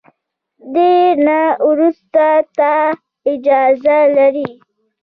دې نه وروسته ته اجازه لري.